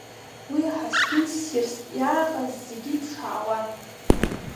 Уи аҳаскьын ссирс иааҟаз зегьы иԥшаауан…